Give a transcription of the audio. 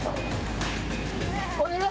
お願い。